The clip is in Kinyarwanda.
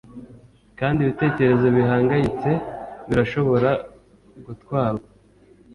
kandi ibitekerezo bihangayitse birashobora gutwarwa